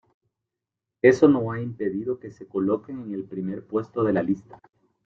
eso no ha impedido que se coloquen en el primer puesto de la lista